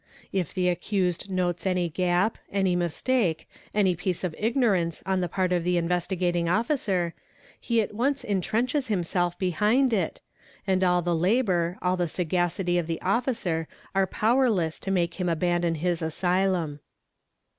If the accused notes any gap, any "mistake, any piece of ignorance on the part of the Investigating Officer, he at once intrenches himself behind it, and all the labour, all the sagacity of the officer are powerless to make him abandon his asylum.